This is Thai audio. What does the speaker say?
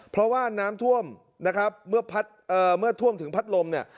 เพราะว่าน้ำท่วมนะครับเมื่อพัดเอ่อเมื่อท่วมถึงพัดลมเนี่ย